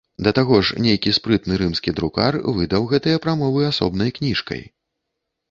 Да таго ж нейкі спрытны рымскі друкар выдаў гэтыя прамовы асобнай кніжкай.